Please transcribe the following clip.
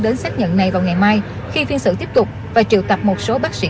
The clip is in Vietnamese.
đến xác nhận này vào ngày mai khi phiên xử tiếp tục và triệu tập một số bác sĩ